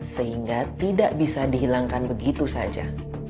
sehingga tidak bisa dihilangkan begitu saja